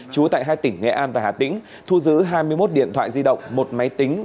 chú tại hai tỉnh nghệ an và hà tĩnh thu giữ hai mươi một điện thoại di động một máy tính